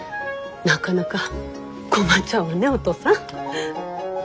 なかなか困っちゃうわねおとうさん。